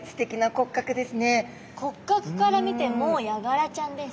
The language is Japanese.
骨格から見てもうヤガラちゃんです。